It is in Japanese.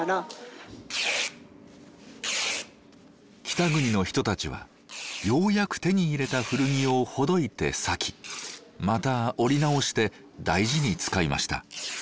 北国の人たちはようやく手に入れた古着をほどいて裂きまた織り直して大事に使いました。